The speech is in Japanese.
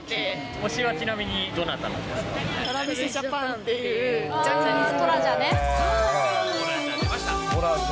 推しはちなみに、どなたなんＴｒａｖｉｓＪａｐａｎっトラジャ。